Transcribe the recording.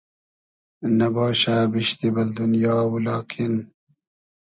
نئباشۂ بیشتی بئل دونیا و لاکین